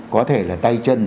có thể là tay chân